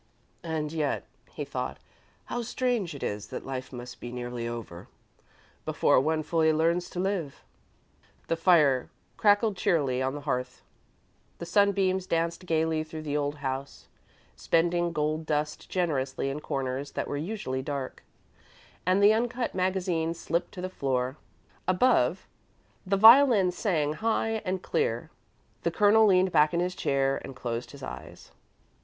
"And yet," he thought, "how strange it is that life must be nearly over, before one fully learns to live." The fire crackled cheerily on the hearth, the sunbeams danced gaily through the old house, spending gold dust generously in corners that were usually dark, and the uncut magazine slipped to the floor. Above, the violin sang high and clear. The Colonel leaned back in his chair and closed his eyes.